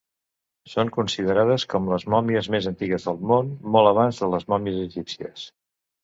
Són considerades com les mòmies més antigues del món, molt abans de les mòmies egípcies.